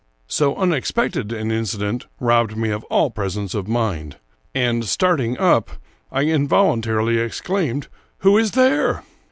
So unexpected an incident robbed me of all presence of mind, and, starting up, I involuntarily exclaimed, " Who is there?"